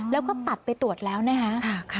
แล้วก็ตัดไปตรวจแล้วนะคะ